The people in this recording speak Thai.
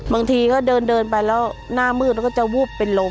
บางทีก็เดินไปแล้วหน้ามืดแล้วก็จะวูบเป็นลม